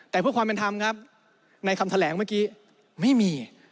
แต่เพื่อความเป็นธรรมครับในคำแถลงเมื่อกี้ไม่มี